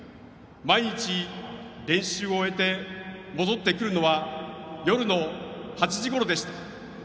毎日、練習を終えて戻ってくるのは夜の８時ごろでした。